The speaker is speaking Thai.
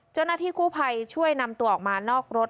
เจ้าหน้าที่กู้ภัยช่วยนำตัวออกมานอกรถ